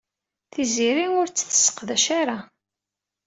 Tiziri ur t-tesseqdac ara.